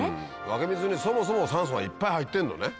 湧き水にそもそも酸素がいっぱい入ってるのね？